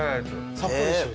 さっぱりしてる？